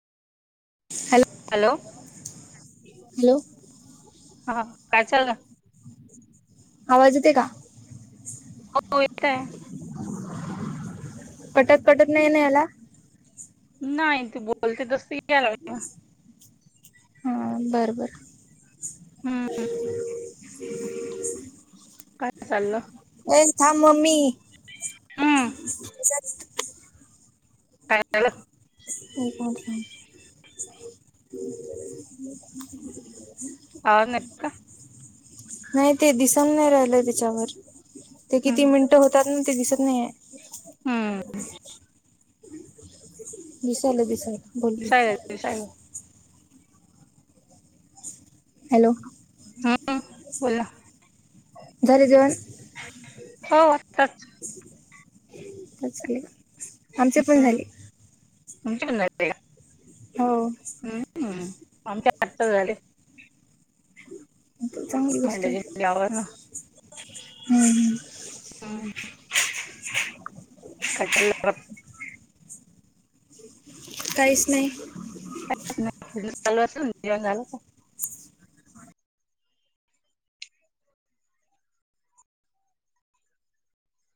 Hello, hello हा काय चाल ना. आवाज येते का? हो य काय आहे. पटत पटोत ननयला नाही तू बोलते तस याला हा बरोबर. हम्. हम्म काय चाललं? ए हां मम्मी हम. एक का? ते का? हंग नाही ते दिसत नाही राहिलं त्याच्यावर ते किती हम्म मिनटं होतात ना ते दिसत नाही आहे. हम्. विशाल विशल बोल दिसायला दिसायला हॅलो हम् बोला झाले जेवण हो वातच. आमचे पण झाले. त पन हो. हम्म आमच्या आत झाडी चांगली मंड या ना. हम् हम्. कटला काहीच नाही. का चालू असेल जण झालं.